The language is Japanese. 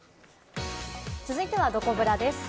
続いてはどこブラです。